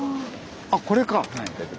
あっこれか。